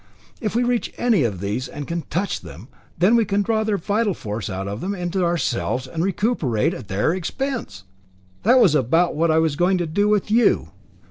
If we reach any of these, and can touch them, then we can draw their vital force out of them into ourselves, and recuperate at their expense. That was about what I was going to do with you.